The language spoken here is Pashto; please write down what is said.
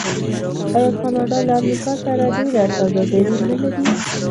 آیا کاناډا له امریکا سره ډیره سوداګري نلري؟